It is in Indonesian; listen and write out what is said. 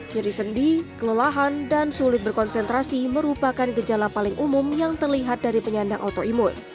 jadi sendi kelelahan dan sulit berkonsentrasi merupakan gejala paling umum yang terlihat dari penyandang autoimun